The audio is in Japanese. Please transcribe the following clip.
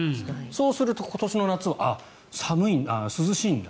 そうすると今年の夏、涼しいんだ